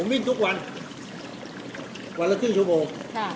วิ่งทุกวันวันละครึ่งชั่วโมง